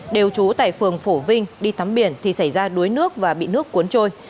đều trú tại phường phổ vinh đi tắm biển thì xảy ra đuối nước và bị nước cuốn trôi